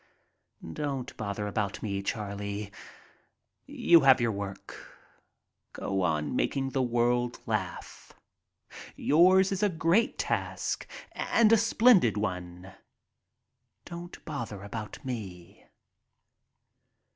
"Don't bother about me, Charlie. You have your work. Go on making the world laugh. Yours is a great task and a splendid one. Don't bother about me."